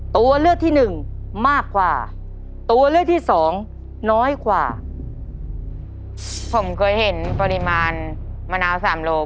ตัวเลือกที่หนึ่งมากกว่าตัวเลือกที่สองน้อยกว่าผมเคยเห็นปริมาณมะนาวสามโล